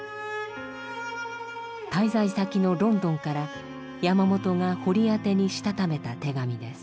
滞在先のロンドンから山本が堀宛にしたためた手紙です。